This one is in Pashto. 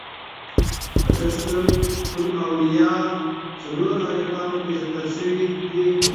په "تذکرةالاولیاء" څلور عارفانو پېژندل سوي دي.